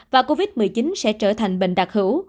và covid một mươi chín sẽ trở thành bệnh đặc hữu